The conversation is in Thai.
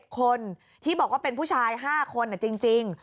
คนที่บอกว่าเป็นผู้ชาย๕คนจริง